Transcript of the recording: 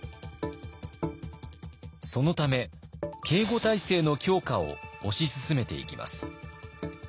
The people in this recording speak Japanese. そのため警固体制の強化を推し進めていきます。